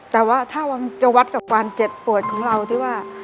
แต่ว่าถ้ามันจะวัดกับความเจ็บปวดของเราที่ว่า